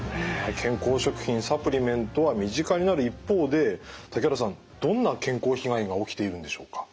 健康食品・サプリメントは身近になる一方で竹原さんどんな健康被害が起きているんでしょうか？